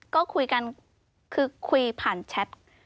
ก็คุยกันคือคุยผ่านแชท